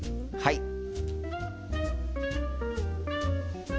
はい。